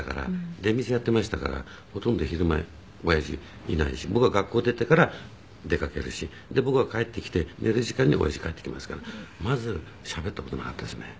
出店やっていましたからほとんど昼間親父いないし僕が学校出てから出かけるしで僕が帰ってきて寝る時間に親父帰ってきますからまずしゃべった事なかったですね。